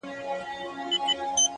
اراده د ستونزو تر ټولو لنډه لاره لنډوي’